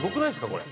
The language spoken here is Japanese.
これ。